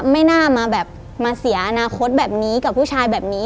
ไม่น่ามาแบบมาเสียอนาคตแบบนี้กับผู้ชายแบบนี้